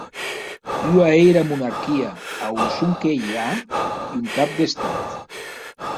Ua ei era monarquia, a on sonque i a un cap d'Estat.